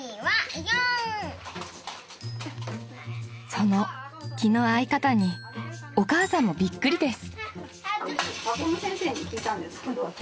［その気の合い方にお母さんもびっくりです］